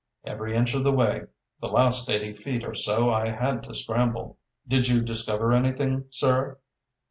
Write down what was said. "Every inch of the way. The last eighty feet or so I had to scramble." "Did you discover anything, sir?"